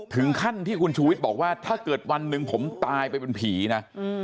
ถึงขั้นที่คุณชูวิทย์บอกว่าถ้าเกิดวันหนึ่งผมตายไปเป็นผีนะ